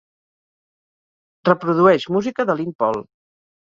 Reprodueix música de Lyn Paul